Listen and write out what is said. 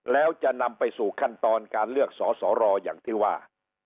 แล้วจะนำไปสู่ขั้นตอนการเลือกสอสอรออย่างที่ว่า